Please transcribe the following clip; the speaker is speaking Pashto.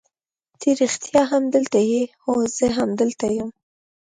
ته رښتیا هم دلته یې؟ هو زه همدلته یم.